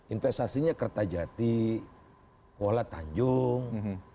investasinya kertajati kuala tanjung